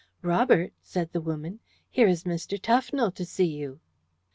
"Robert," said the woman, "here is Mr. Tufnell to see you."